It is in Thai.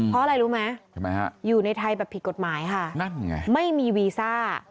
เพราะอะไรรู้ไหมอยู่ในไทยแบบผิดกฎหมายค่ะไม่มีวีซ่า